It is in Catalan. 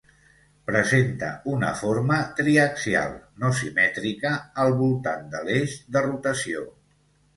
Presenta una forma triaxial, no simètrica al voltant de l'eix de rotació.